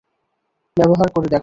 ব্যবহার করে দেখো।